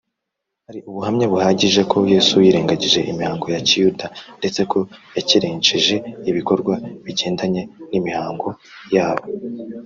hari ubuhamya buhagije ko yesu yirengagije imihango ya kiyuda, ndetse ko yakerensheje ibikorwa bigendanye n’imihango yabo;